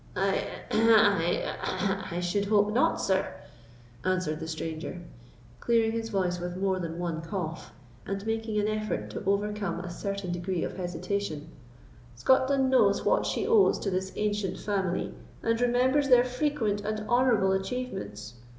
"I—I—I should hope not, sir," answered the stranger, clearing his voice with more than one cough, and making an effort to overcome a certain degree of hesitation; "Scotland knows what she owes to this ancient family, and remembers their frequent and honourable achievements.